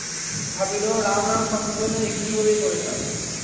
ভাবিল, রাম রাম সন্ধ্যাবেলায় এ কী বিপদেই পড়িলাম।